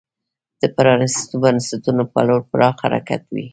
د پرانیستو بنسټونو په لور پراخ حرکت وي.